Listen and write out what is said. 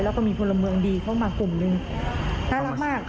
แล้วก็มีพลเมืองดีเข้ามากลุ่มหนึ่งน่ารักมาก